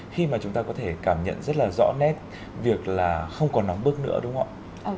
khi mà chúng ta có thể cảm nhận rất là rõ nét việc là không còn nóng bước nữa đúng không ạ